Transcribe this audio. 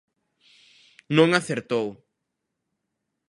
Non acertou.